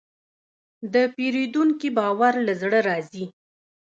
د پیرودونکي باور له زړه راځي.